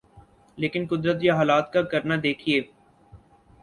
لیکن قدرت یا حالات کا کرنا دیکھیے۔